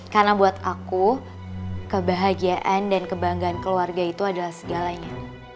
karena buat aku kebahagiaan dan kebanggaan keluarga itu adalah segalanya